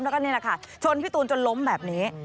แล้วก็นี่แหละค่ะชนพี่ตูนจนล้มแบบนี้